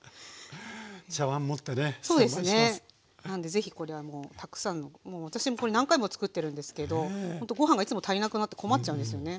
是非これたくさんのもう私もこれ何回もつくってるんですけどほんとご飯がいつも足りなくなって困っちゃうんですよね。